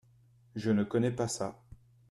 Je ne connais pas ça.